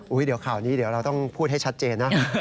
อุ๊ยเดี๋ยวข่าวนี้เราต้องพูดให้ชัดเจนนะ